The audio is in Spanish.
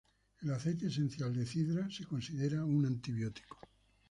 El aceite esencial de cidra se considera un antibiótico.